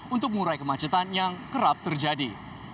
untuk mengurai kemacetan yang kerap terjadi